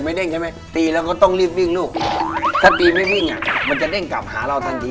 เร่งใช่ไหมตีแล้วก็ต้องรีบวิ่งลูกถ้าตีไม่วิ่งอ่ะมันจะเด้งกลับหาเราทันที